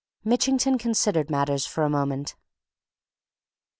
Mitchington considered matters for a moment.